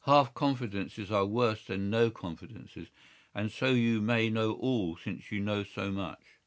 Half confidences are worse than no confidences, and so you may know all since you know so much.